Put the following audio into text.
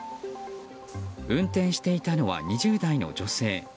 運転していたのは２０代の女性。